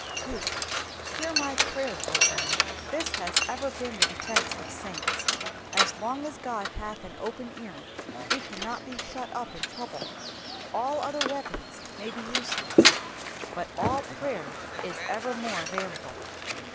2. ^'^Hear my prayer, 0 Ood^ This has ever been the defence of saints. As long as God hath an open ear we cannot be shut up in trouble. All other weapons may be useless, but all prayer is evermore available.